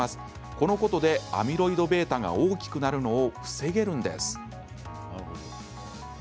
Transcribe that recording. このことで、アミロイドβが大きくなるのを防げるんです。